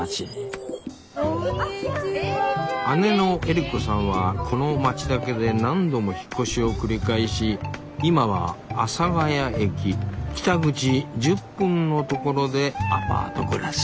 姉のエリコさんはこの町だけで何度も引っ越しを繰り返し今は阿佐ヶ谷駅北口１０分のところでアパート暮らし。